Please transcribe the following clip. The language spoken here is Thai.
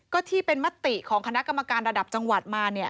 ก็ที่เป็นมติของคณะกรรมการระดับจังหวัดมาเนี่ย